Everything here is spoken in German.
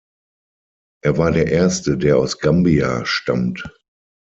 Er war der Erste, der aus Gambia stammt.